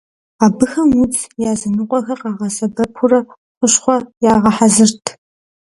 Абыхэм удз языныкъуэхэр къагъэсэбэпурэ хущхъуэ ягъэхьэзырт.